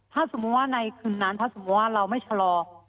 ถ้าสมมุติว่าในคืนนั้นถ้าสมมุติว่าเราไม่ชะลอ